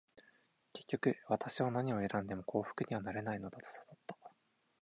結局、私は何を選んでも幸福にはなれないのだと悟った。